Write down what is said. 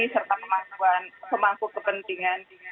serta kemangku kepentingan